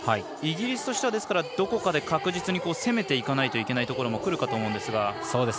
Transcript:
イギリスとしてはどこかで確実に攻めていかないといけないところもくるかと思うんですが。